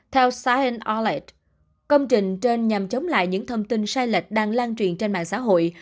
theo sahel công trình trên nhằm chống lại những thông tin sai lệch đang lan truyền trên mạng xã hội